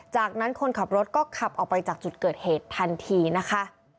จากนั้นคนขับรถก็ขับออกไปจากจุดเกิดเหตุทันทีนะคะ